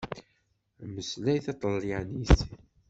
Mmeslay taṭalyanit!